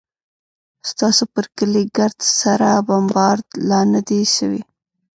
ستاسو پر کلي ګرد سره بمبارد لا نه دى سوى.